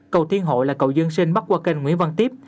cầu thiên hồ là cầu dân sinh bắt qua kênh nguyễn văn tiếp